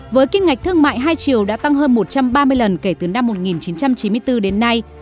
với kinh ngạch thương mại hai triệu đã tăng hơn một trăm ba mươi lần kể từ năm một nghìn chín trăm chín mươi bốn đến nay